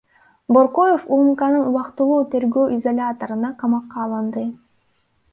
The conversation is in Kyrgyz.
Боркоев УКМКнын убактылуу тергөө изоляторуна камакка алынды.